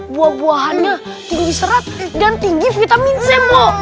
buah buahannya tinggi serat dan tinggi vitamin c mpok